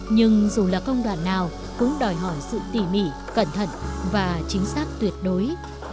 nhưng dù là công đoạn nào cũng đòi hỏi sự tỉ mỉ cẩn thận và chính xác tuyệt đối